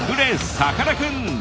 さかなクン！